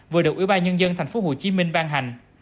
vừa được ủy ban nhân dân thành phố hồ chí minh ban hành